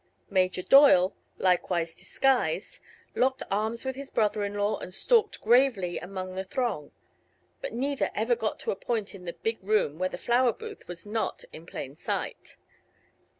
Mayor Doyle, likewise disguised, locked arms with his brother in law and stalked gravely among the throng; but neither ever got to a point in the big room where the flower booth was not in plain sight.